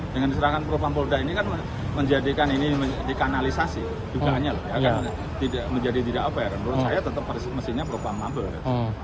dengan diserahkan propam polda ini kan menjadikan ini dikanalisasi juga hanya loh ya menjadi tidak apa ya menurut saya tetap mesinnya propam mabes